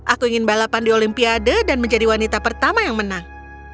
aku ingin balapan di olimpiade dan menjadi wanita pertama yang menang